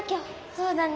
そうだね。